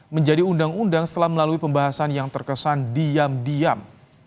menjadi undang undang setelah melalui pembahasan yang terkesan diam diam